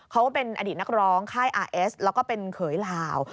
ก็เป็นอดีตนักร้องค่ายอาร์เอสแล้วก็เป็นเขยลาว